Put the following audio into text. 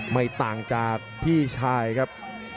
ไม่ต่างจากพี่ชายครับ